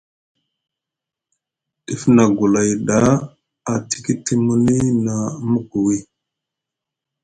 Ɗif na gulay ɗa a tikiti muni na mugwi.